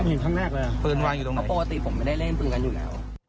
เห็นครั้งแรกเลยอ่ะปืนวางอยู่ตรงนั้นเพราะปกติผมไม่ได้เล่นปืนกันอยู่แล้ว